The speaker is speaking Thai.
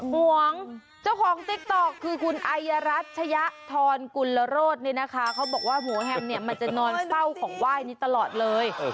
ห่วงเจ้าของติ๊กต๊อกคือคุณอายรัชยะทรกุลโรธเนี่ยนะคะเขาบอกว่าหัวแฮมเนี่ยมันจะนอนเฝ้าของไหว้นี้ตลอดเลย